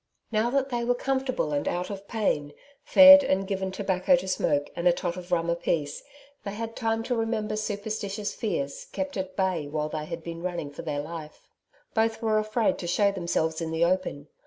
Now that they were comfortable and out of pain, fed and given tobacco to smoke and a tot of rum apiece, they had time to remember superstitious fears kept at bay while they had been running for their life. Both were afraid to show themselves in the open.